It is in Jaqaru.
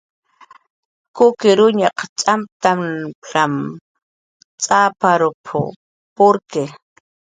"Kukirkunaq arumt'ipan cx""app""w purqki"